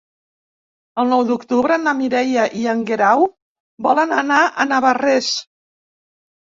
El nou d'octubre na Mireia i en Guerau volen anar a Navarrés.